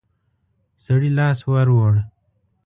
سړي لاس ور ووړ.